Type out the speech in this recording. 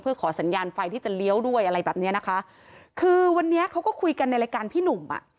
เพื่อขอสัญญาณไฟที่จะเลี้ยวด้วยอะไรแบบเนี้ยนะคะคือวันนี้เขาก็คุยกันในรายการพี่หนุ่มอ่ะ